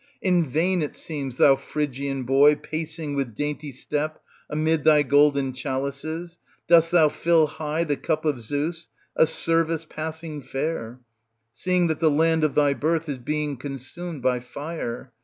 In vain, it seems, thou Phrygian boy,* pacing with dainty step amid thy golden chalices, dost thou fill high the cup of 2^us, a service passing fair ; seeing that the land of thy birth is being consumed by fire.